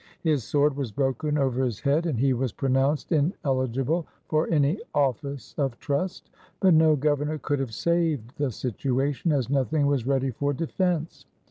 His sword was broken over his head and he was pronounced ineligible for any office of trust. But no governor could have saved the situation, as nothing was ready for defense.